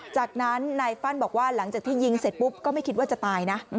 จากนั้นนายฟั่นบอกว่าหลังจากที่ยิงเสร็จปุ๊บก็ไม่คิดว่าจะตายนะ